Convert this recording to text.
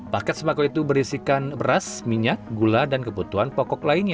paket sembako itu berisikan beras minyak gula dan kebutuhan pokok lainnya